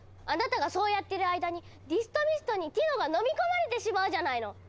あなたがそうやってる間にディストミストにティノがのみ込まれてしまうじゃないの！